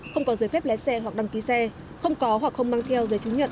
không có giới phép lé xe hoặc đăng ký xe không có hoặc không mang theo giới chứng nhận